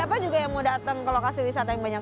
oh jauh nggak